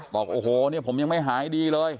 บอกโอ้โหเนี่ยผมยังไม่หายดีเลย